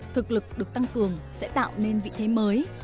thực lực được tăng cường sẽ tạo nên vị thế mới